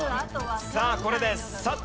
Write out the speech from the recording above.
さあこれです。